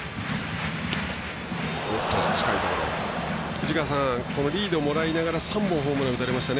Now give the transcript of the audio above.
藤川さん、リードをもらいながら３本ホームランを打たれましたね。